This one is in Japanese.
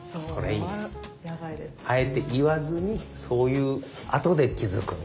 あえて言わずにそういうあとで気付くみたいな。